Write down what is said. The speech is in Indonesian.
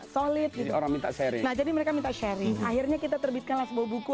solid orang minta sering jadi mereka minta sharing akhirnya kita terbitkan sebuah buku